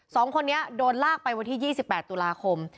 สองคนนี้โดนลากไปวันที่๒๘ตุลาคม